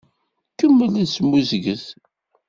Kemmel asmuzget!